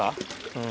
うん。